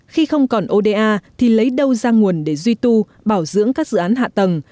khi không còn oda thì lấy đâu ra nguồn để duy tu bảo dưỡng các dự án hạ tầng